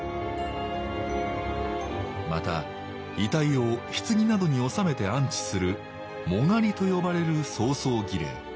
また遺体を棺などに納めて安置する「殯」と呼ばれる葬送儀礼。